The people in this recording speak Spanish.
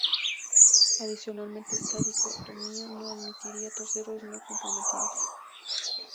Adicionalmente, esta dicotomía no admitiría terceros no comprometidos.